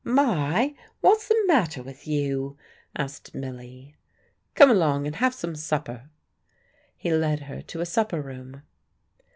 "My! What's the matter with you?" asked Milly. "Come along and have some supper." He led her to a supper room.